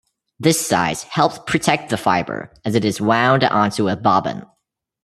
This size helps protect the fiber as it is wound onto a bobbin.